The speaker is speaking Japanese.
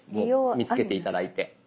見つけて頂いて。